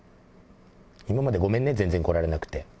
今までごめんね、全然来られなくて。